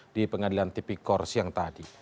di pengadilan tipi kor siang tadi